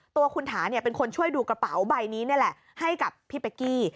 ตัวคุณถาเป็นคนช่วยดูกระเป๋าใบนี้นี่แหละให้กับพี่เป๊กกี้